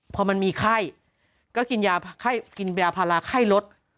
พอมันมีไข้ก็กินยาภาระไข้ลด